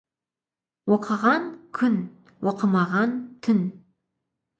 Оқыған — күн, оқымаған — түн.